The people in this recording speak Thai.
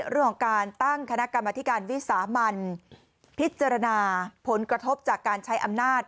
เรื่องของการตั้งคณะกรรมธิการวิสามันพิจารณาผลกระทบจากการใช้อำนาจ